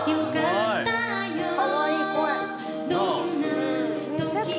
かわいい声。